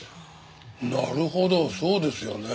なるほどそうですよね。